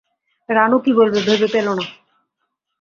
রানু কী বলবে ভেবে পেল না।